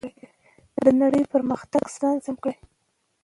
د نړۍ د پرمختګ سره ځان سم کړئ.